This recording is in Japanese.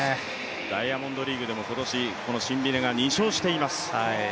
ダイヤモンドリーグでも今年、このシンビネが２勝しています。